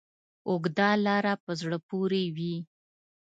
اوږده لاره په زړه پورې وي.